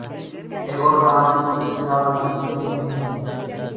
ایک اور بات بھی جنرل ضیاء الحق کے ذہن میں تھی۔